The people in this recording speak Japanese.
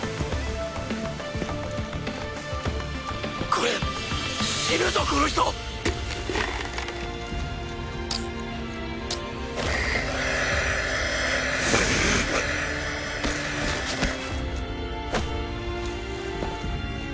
これ死ぬぞこの人！グッ。